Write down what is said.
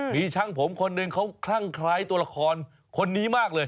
มีช่างผมคนหนึ่งเขาคลั่งคล้ายตัวละครคนนี้มากเลย